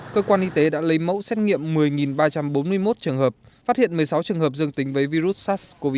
cơ quan y tế đã lấy mẫu xét nghiệm một mươi ba trăm bốn mươi một trường hợp phát hiện một mươi sáu trường hợp dương tính với virus sars cov hai